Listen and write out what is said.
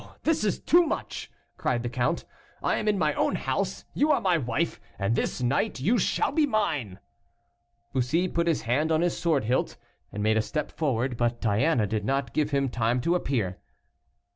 this is too much!" cried the count. "I am in my own house, you are my wife, and this night you shall be mine." Bussy put his hand on his sword hilt, and made a step forward, but Diana did not give him time to appear.